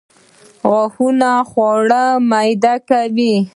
غاښونه خواړه میده کوي